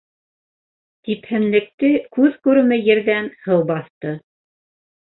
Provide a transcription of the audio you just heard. Типһенлекте күҙ күреме ерҙән һыу баҫты.